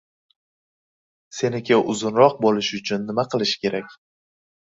Seniki uzunroq boʻlishi uchun nima qilish kerak?